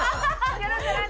いけるんじゃない？